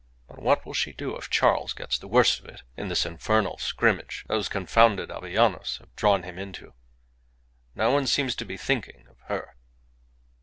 But what will she do if Charles gets the worst of it in this infernal scrimmage those confounded Avellanos have drawn him into? No one seems to be thinking of her."